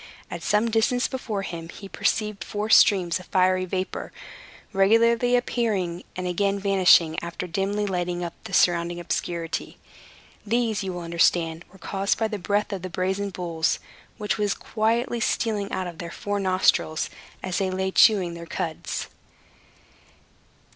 At some distance before him he perceived four streams of fiery vapor, regularly appearing and again vanishing, after dimly lighting up the surrounding obscurity. These, you will understand, were caused by the breath of the brazen bulls, which was quietly stealing out of their four nostrils, as they lay chewing their cuds.